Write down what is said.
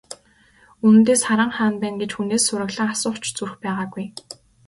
Үнэндээ, Саран хаана байна гэж хүнээс сураглан асуух ч зүрх байгаагүй.